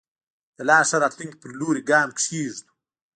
د لا ښه راتلونکي په لوري ګام کېږدو.